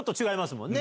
もんね